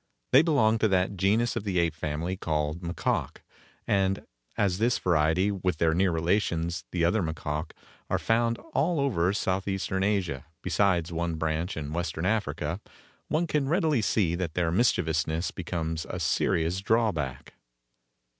They belong to that genus of the ape family called Macaque, and as this variety, with their near relations, the other macaques, are found all over Southeastern Asia, besides one branch in Western Africa, one can readily see that their mischievousness becomes a serious drawback.